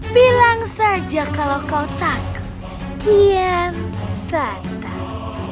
bilang saja kalau kau takut kian satai